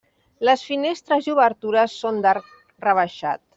Les finestres i obertures són d'arc rebaixat.